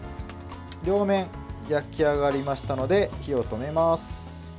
両面焼き上がりましたので火を止めます。